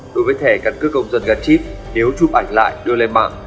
đối với thẻ căn cước công dân gắn chip nếu chụp ảnh lại đưa lên mạng